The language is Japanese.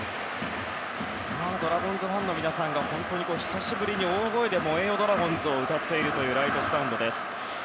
ドラゴンズファンの皆さんが久しぶりに大声で「燃えよドラゴンズ」を歌っているライトスタンドです。